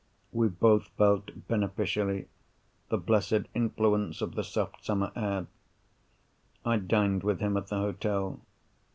We both felt beneficially the blessed influence of the soft summer air. I dined with him at the hotel.